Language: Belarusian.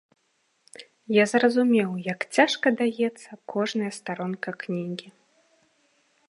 Я зразумеў, як цяжка даецца кожная старонка кнігі.